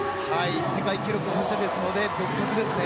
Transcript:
世界記録保持者ですので別格ですね。